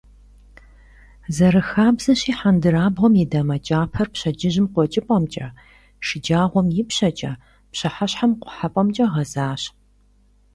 Зэрыхабзэщи, хьэндырабгъуэм и дамэ кӀапэр пщэдджыжьым къуэкӀыпӀэмкӀэ, шэджагъуэм — ипщэкӀэ, пщыхьэщхьэм — къухьэпӀэмкӀэ гъэзащ.